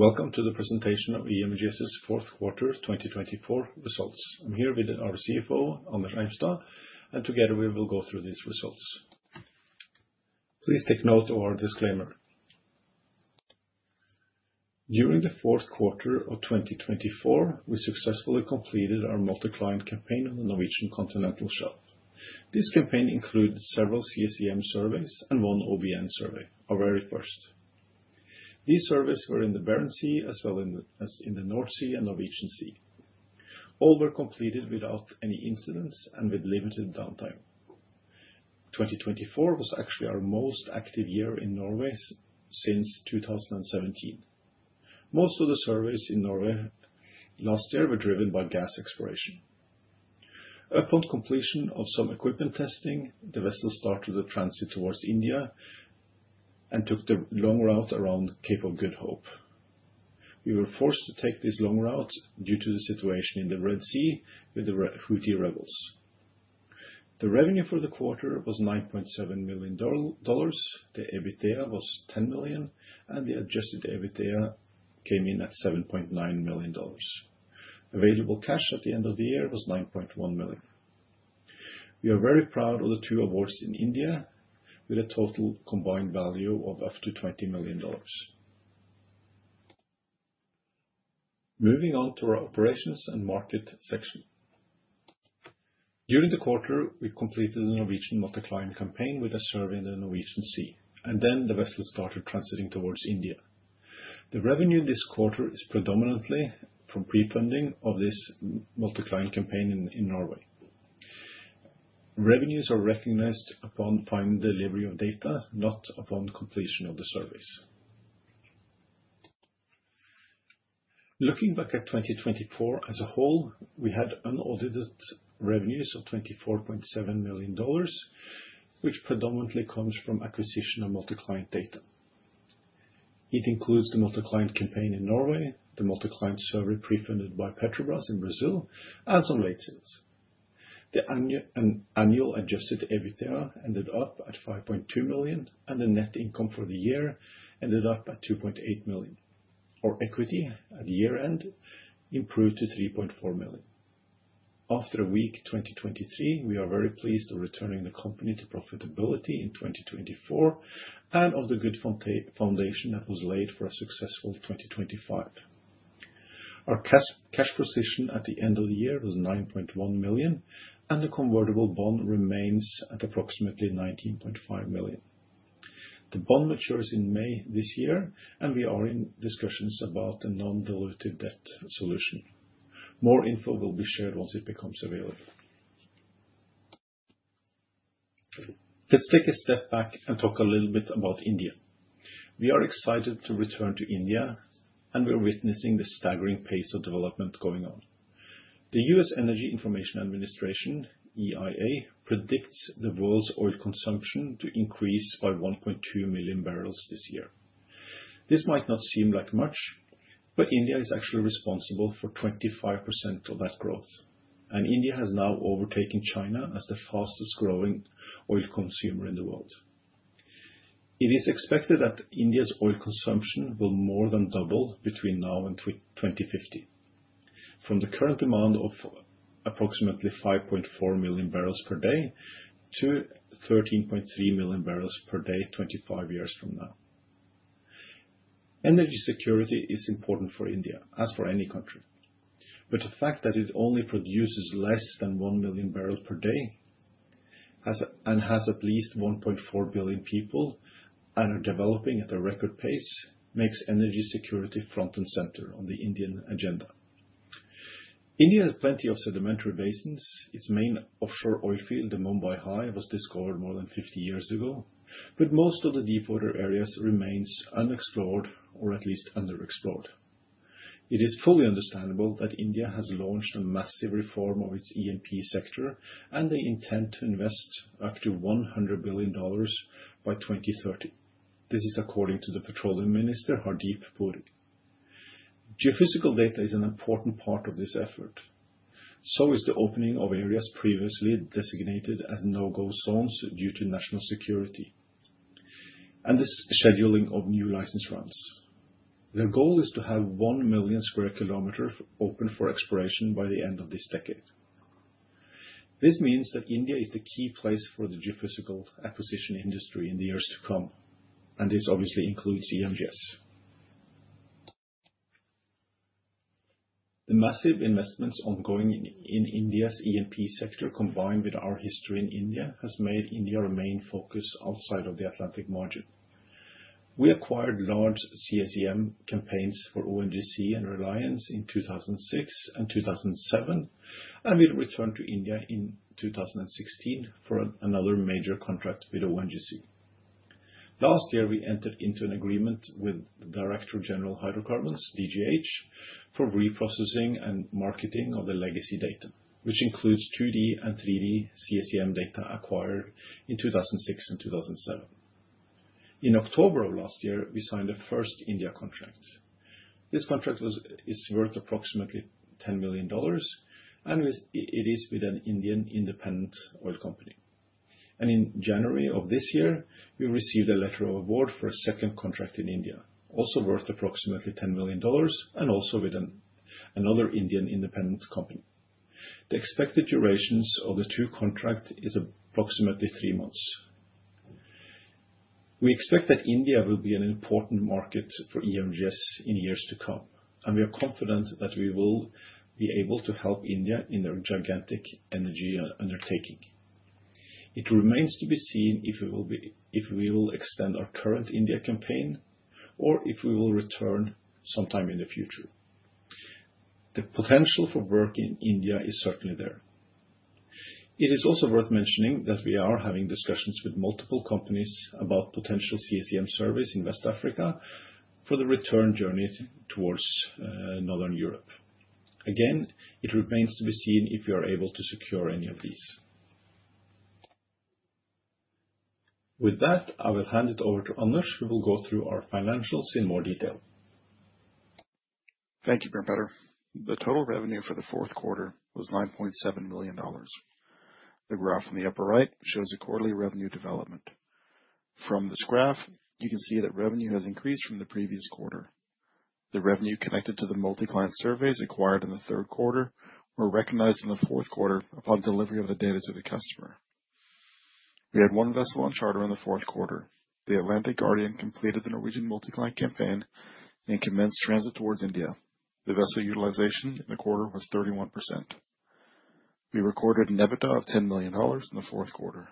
Welcome to the presentation of EMGS's fourth quarter 2024 results. I'm here with our CFO, Anders Eimstad, and together we will go through these results. Please take note of our disclaimer. During the fourth quarter of 2024, we successfully completed our multi-client campaign on the Norwegian Continental Shelf. This campaign included several CSEM surveys and one OBN survey, our very first. These surveys were in the Barents Sea as well as in the North Sea and Norwegian Sea. All were completed without any incidents and with limited downtime. 2024 was actually our most active year in Norway since 2017. Most of the surveys in Norway last year were driven by gas exploration. Upon completion of some equipment testing, the vessel started a transit towards India and took the long route around Cape of Good Hope. We were forced to take this long route due to the situation in the Red Sea with the Houthi rebels. The revenue for the quarter was $9.7 million, the EBITDA was $10 million, and the adjusted EBITDA came in at $7.9 million. Available cash at the end of the year was $9.1 million. We are very proud of the two awards in India with a total combined value of up to $20 million. Moving on to our operations and market section. During the quarter, we completed the Norwegian multi-client campaign with a survey in the Norwegian Sea, and then the vessel started transiting towards India. The revenue in this quarter is predominantly from pre-funding of this multi-client campaign in Norway. Revenues are recognized upon final delivery of data, not upon completion of the surveys. Looking back at 2024 as a whole, we had unaudited revenues of $24.7 million, which predominantly comes from acquisition of multi-client data. It includes the multi-client campaign in Norway, the multi-client survey pre-funded by Petrobras in Brazil, and some late sales. The annual adjusted EBITDA ended up at $5.2 million, and the net income for the year ended up at $2.8 million. Our equity at year-end improved to $3.4 million. After a weak 2023, we are very pleased of returning the company to profitability in 2024 and of the good foundation that was laid for a successful 2025. Our cash position at the end of the year was $9.1 million, and the convertible bond remains at approximately $19.5 million. The bond matures in May this year, and we are in discussions about a non-dilutive debt solution. More info will be shared once it becomes available. Let's take a step back and talk a little bit about India. We are excited to return to India, and we're witnessing the staggering pace of development going on. The U.S. Energy Information Administration (EIA) predicts the world's oil consumption to increase by 1.2 million barrels this year. This might not seem like much, but India is actually responsible for 25% of that growth, and India has now overtaken China as the fastest-growing oil consumer in the world. It is expected that India's oil consumption will more than double between now and 2050, from the current demand of approximately 5.4 million barrels per day to 13.3 million barrels per day 25 years from now. Energy security is important for India, as for any country, but the fact that it only produces less than 1 million barrels per day and has at least 1.4 billion people and are developing at a record pace makes energy security front and center on the Indian agenda. India has plenty of sedimentary basins. Its main offshore oil field, the Mumbai High, was discovered more than 50 years ago, but most of the deepwater areas remain unexplored or at least underexplored. It is fully understandable that India has launched a massive reform of its E&P sector and the intent to invest up to $100 billion by 2030. This is according to the Petroleum Minister, Hardeep Singh Puri. Geophysical data is an important part of this effort. So is the opening of areas previously designated as no-go zones due to national security and the scheduling of new license runs. The goal is to have 1 million sq km open for exploration by the end of this decade. This means that India is the key place for the geophysical acquisition industry in the years to come, and this obviously includes EMGS. The massive investments ongoing in India's E&P sector, combined with our history in India, has made India remain focused outside of the Atlantic Margin. We acquired large CSEM campaigns for ONGC and Reliance in 2006 and 2007, and we returned to India in 2016 for another major contract with ONGC. Last year, we entered into an agreement with the Directorate General of Hydrocarbons, DGH, for reprocessing and marketing of the legacy data, which includes 2D and 3D CSEM data acquired in 2006 and 2007. In October of last year, we signed the first India contract. This contract is worth approximately $10 million, and it is with an Indian independent oil company. In January of this year, we received a letter of award for a second contract in India, also worth approximately $10 million, and also with another Indian independent company. The expected duration of the two contracts is approximately three months. We expect that India will be an important market for EMGS in years to come, and we are confident that we will be able to help India in their gigantic energy undertaking. It remains to be seen if we will extend our current India campaign or if we will return sometime in the future. The potential for work in India is certainly there. It is also worth mentioning that we are having discussions with multiple companies about potential CSEM surveys in West Africa for the return journey towards Northern Europe. Again, it remains to be seen if we are able to secure any of these. With that, I will hand it over to Anders, who will go through our financials in more detail. Thank you, Bjørn Petter. The total revenue for the fourth quarter was $9.7 million. The graph on the upper right shows the quarterly revenue development. From this graph, you can see that revenue has increased from the previous quarter. The revenue connected to the multi-client surveys acquired in the third quarter were recognized in the fourth quarter upon delivery of the data to the customer. We had one vessel on charter in the fourth quarter. The Atlantic Guardian completed the Norwegian multi-client campaign and commenced transit towards India. The vessel utilization in the quarter was 31%. We recorded an EBITDA of $10 million in the fourth quarter.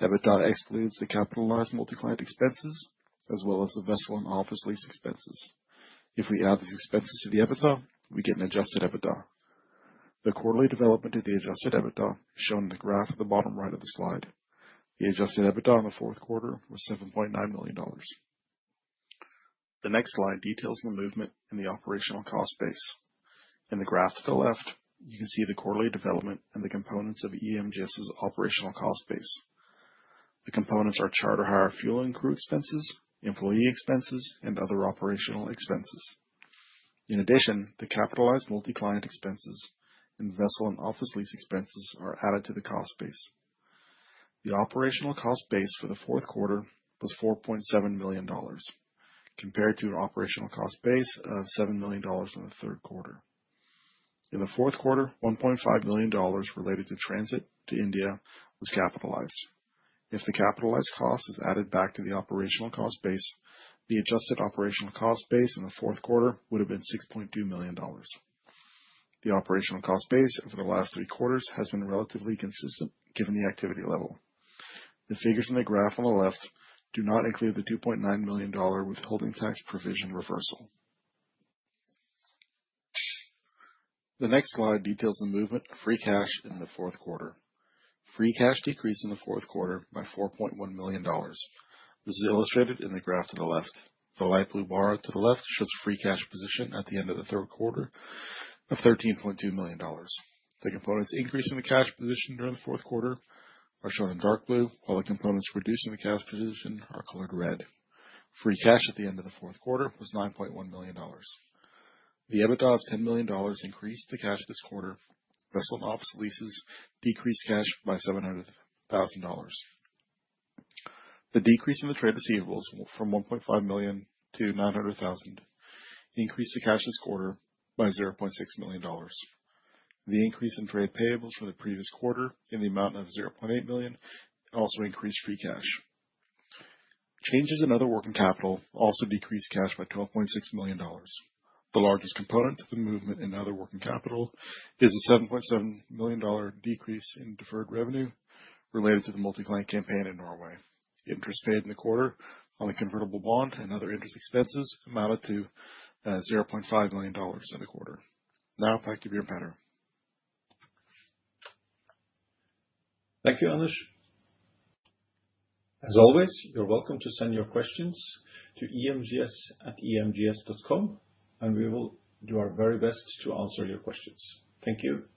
EBITDA excludes the capitalized multi-client expenses as well as the vessel and office lease expenses. If we add these expenses to the EBITDA, we get an adjusted EBITDA. The quarterly development of the adjusted EBITDA is shown in the graph at the bottom right of the slide. The adjusted EBITDA in the fourth quarter was $7.9 million. The next slide details the movement in the operational cost base. In the graph to the left, you can see the quarterly development and the components of EMGS's operational cost base. The components are charter hire, fuel and crew expenses, employee expenses, and other operational expenses. In addition, the capitalized multi-client expenses and vessel and office lease expenses are added to the cost base. The operational cost base for the fourth quarter was $4.7 million, compared to an operational cost base of $7 million in the third quarter. In the fourth quarter, $1.5 million related to transit to India was capitalized. If the capitalized cost is added back to the operational cost base, the adjusted operational cost base in the fourth quarter would have been $6.2 million. The operational cost base over the last three quarters has been relatively consistent given the activity level. The figures in the graph on the left do not include the $2.9 million withholding tax provision reversal. The next slide details the movement of free cash in the fourth quarter. Free cash decreased in the fourth quarter by $4.1 million. This is illustrated in the graph to the left. The light blue bar to the left shows the free cash position at the end of the third quarter of $13.2 million. The components increasing the cash position during the fourth quarter are shown in dark blue, while the components reducing the cash position are colored red. Free cash at the end of the fourth quarter was $9.1 million. The EBITDA of $10 million increased the cash this quarter. Vessel and office leases decreased cash by $700,000. The decrease in the trade receivables from $1.5 million to $900,000 increased the cash this quarter by $0.6 million. The increase in trade payables from the previous quarter in the amount of $0.8 million also increased free cash. Changes in other working capital also decreased cash by $12.6 million. The largest component of the movement in other working capital is the $7.7 million decrease in deferred revenue related to the multi-client campaign in Norway. Interest paid in the quarter on the convertible bond and other interest expenses amounted to $0.5 million in the quarter. Now, back to Bjørn Petter. Thank you, Anders. As always, you're welcome to send your questions to emgs@emgs.com, and we will do our very best to answer your questions. Thank you.